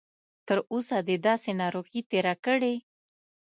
تر اوسه دې داسې ناروغي تېره کړې؟